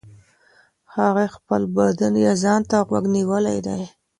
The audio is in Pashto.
هغې خپل بدن يا ځان ته غوږ نيولی دی.